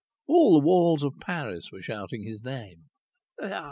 All the walls of Paris were shouting his name.